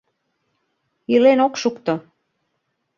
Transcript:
Илен ок шукто.